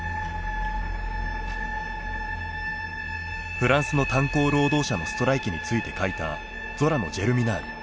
フランスの炭鉱労働者のストライキについて書いたゾラの「Ｇｅｒｍｉｎａｌ」。